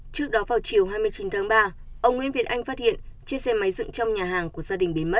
trước đó vào chiều hai mươi chín tháng ba ông nguyễn việt anh phát hiện chiếc xe máy dựng trong nhà hàng của gia đình bị mất